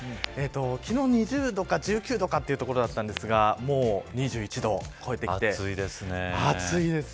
昨日２０度か１９度かというところだったんですがもう２１度を超えてきて暑いです。